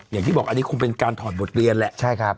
อย่างที่บอกอันนี้คงเป็นการถอดบทเรียนแหละใช่ครับ